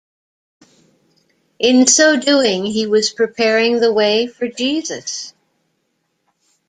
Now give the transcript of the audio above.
In so doing he was preparing the way for Jesus.